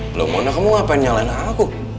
belum mana kamu ngapain nyalain aku